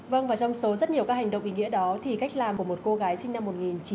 vâng và trong số rất nhiều các hành động ý nghĩa đó thì cách làm của một cô gái sinh năm một nghìn chín trăm bảy mươi